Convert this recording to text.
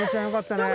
よかった。